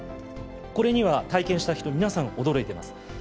これには体験した人皆さん驚いてます。